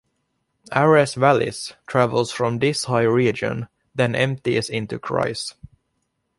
Ares Vallis travels from this high region, then empties into Chryse.